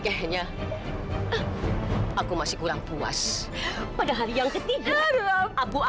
dan menyerahkan pada syadri mama